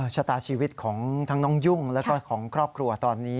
ชะตาชีวิตของทั้งน้องยุ่งแล้วก็ของครอบครัวตอนนี้